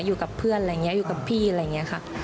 อยู่กับเพื่อนอะไรอย่างนี้อยู่กับพี่อะไรอย่างนี้ค่ะ